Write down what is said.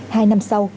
hai năm sau